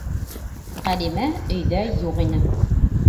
Ғәлимә өйҙә юҡ ине.